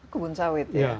kebun sawit ya